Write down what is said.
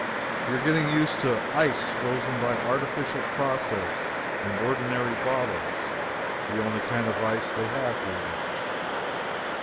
We are getting used to ice frozen by artificial process in ordinary bottles the only kind of ice they have here.